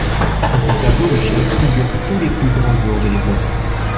À son tableau de chasse figurent tous les plus grands joueurs de l'époque.